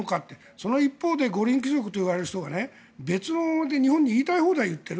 その一方で五輪貴族といわれる人が別のほうで日本に言いたい放題言っている。